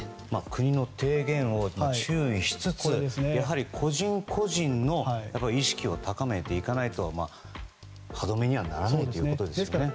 国の提言を注意しつつやはり個人個人の意識を高めていかないと歯止めにはならないということですね。